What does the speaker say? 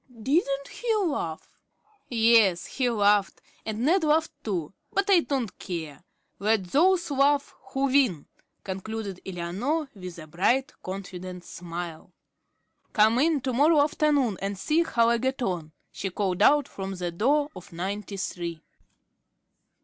"Didn't he laugh?" "Yes, he laughed, and Ned laughed too; but I don't care. 'Let those laugh who win,'" concluded Eleanor, with a bright, confident smile. "Come in to morrow afternoon and see how I get on," she called out from the door of Ninety three.